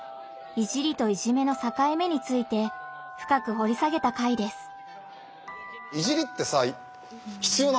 「いじり」と「いじめ」のさかい目についてふかくほり下げた回です。